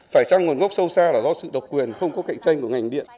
phải chăng nguồn gốc sâu xa là do sự độc quyền không có cạnh tranh của ngành điện